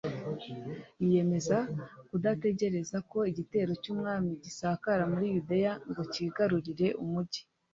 yiyemeza kudategereza ko igitero cy'umwami gisakara muri yudeya ngo kigarurire umugi